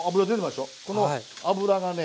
この脂がね